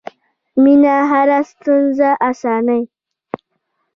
مینه هره ستونزه اسانوي.